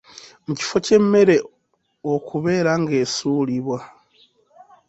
Mu kifo ky’emmere okubeera ng’esuulibwa.